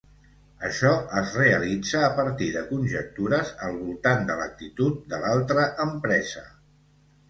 Això es realitza a partir de conjectures al voltant de l'actitud de l'altra empresa.